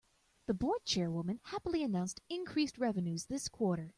The board chairwoman happily announced increased revenues this quarter.